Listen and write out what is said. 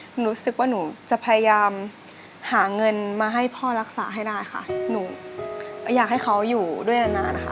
หนูรู้สึกว่าหนูจะพยายามหาเงินมาให้พ่อรักษาให้ได้ค่ะหนูอยากให้เขาอยู่ด้วยนานนานนะคะ